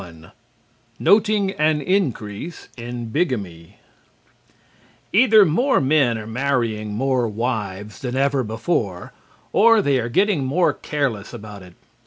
XXI NOTING AN INCREASE IN BIGAMY Either more men are marrying more wives than ever before, or they are getting more careless about it.